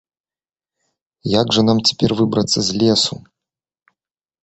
- Як жа нам цяпер выбрацца з лесу?